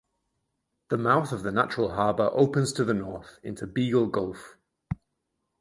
The mouth of the natural harbour opens to the north into Beagle Gulf.